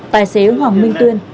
phải xế hoàng minh tuyên